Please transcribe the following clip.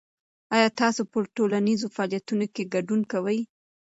آیا تاسو په ټولنیزو فعالیتونو کې ګډون کوئ؟